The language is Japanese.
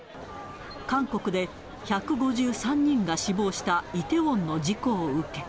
韓国で１５３人が死亡したイテウォンの事故を受け。